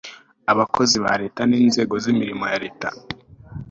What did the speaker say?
Abakozi ba Leta n inzego z imirimo ya Leta